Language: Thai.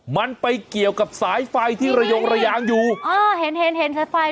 มันไปเกี่ยวกับสายไฟที่ระยงอยู่อ่อเห็นแอดไฟด้วย